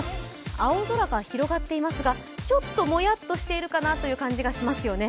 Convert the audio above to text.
青空が広がっていますがちょっともやっとしているかなという感じがしますよね。